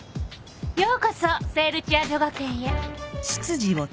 ・ようこそ聖ルチア女学園へ。